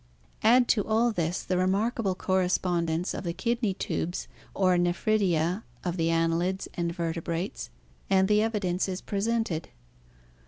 Add to all this the remarkable correspondence of the kidney tubes or nephridia of the annelids and vertebrates, and the evi ORGANIC EVOLUTION* dence is presented.